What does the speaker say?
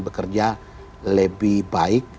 bekerja lebih baik